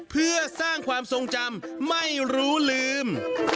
เพื่อสร้างความทรงจำไม่รู้ลืม